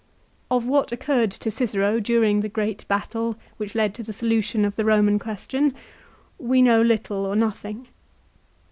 Of what occurred to Cicero during the great battle which L 2 148 LIFE OF CICERO. led to the solution of the Koman question we know little or nothing.